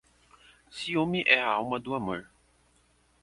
Ciúme é a alma do amor.